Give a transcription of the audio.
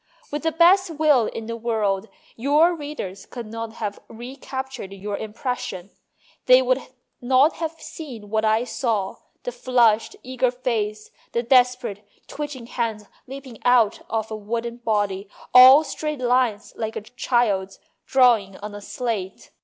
With the best will in the world, your readers could not have recaptured your impression. They would not have seen what I saw : the flushed, eager face, the desperate, twitching hands, leaping out of a wooden body, all straight lines like a child's drawing on a slate.